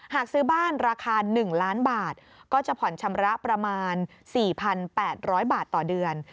หากซื้อบ้านราคา๑ล้านบาทก็จะผ่อนชำระประมาณ๔๘๐๐บาทต่อเดือน